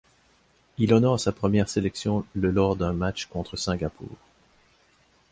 Il honore sa première sélection le lors d'un match contre Singapour.